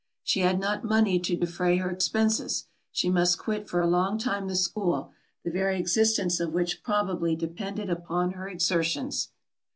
She had not money to defray her expences: she must quit for a long time the school, the very existence of which probably depended upon her exertions.